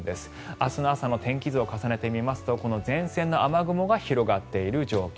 明日の朝の天気図を重ねてみますとこの前線の雨雲が広がっている状況。